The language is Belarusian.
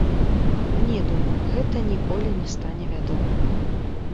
Не, думаю, гэта ніколі не стане вядома.